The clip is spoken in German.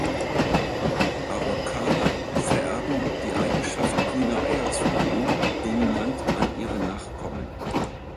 Araucana vererben die Eigenschaft, grüne Eier zu legen, dominant an ihre Nachkommen.